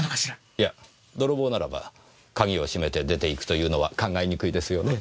いや泥棒ならば鍵を閉めて出て行くというのは考えにくいですよね？